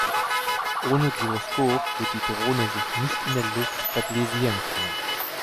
Ohne Gyroskop wird die Drohne sich nicht in der Luft stabilisieren können.